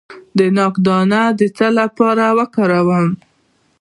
د ناک دانه د څه لپاره وکاروم؟